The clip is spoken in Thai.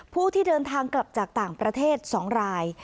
ผู้ที่เดินทางกลับจากต่างประเทศ๒ราย